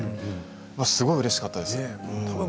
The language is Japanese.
すごくうれしかったです。